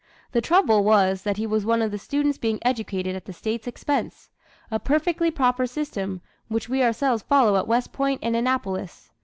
The trouble was that he was one of the students being educated at the State's expense a perfectly proper system, which we ourselves follow at West Point and Annapolis.